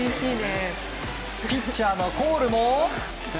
ピッチャーのコールも。